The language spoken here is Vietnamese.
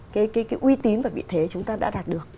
cái uy tín và vị thế chúng ta đã đạt được